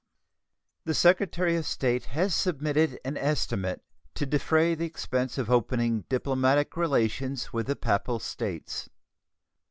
The Secretary of State has submitted an estimate to defray the expense of opening diplomatic relations with the Papal States.